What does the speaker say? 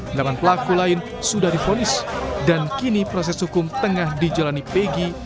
delapan pelaku lain sudah difonis dan kini proses hukum tengah dijalani peggy